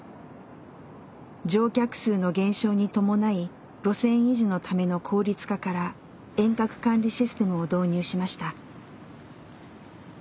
乗客数の減少に伴い路線維持のための効率化から遠隔管理システムを導入しました。